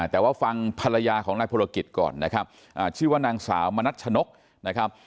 แต่ว่าฟังภรรยาของนายพลกิจก่อนนะครับชื่อว่านางสาวมณัชนกนะครับ